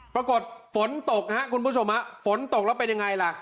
ปรากฏฝนตกครับคุณผู้ชมฮะฝนตกแล้วเป็นยังไงล่ะ